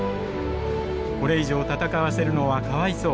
「これ以上戦わせるのはかわいそう。